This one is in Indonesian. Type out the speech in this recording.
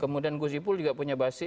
kemudian gus ipul juga punya basi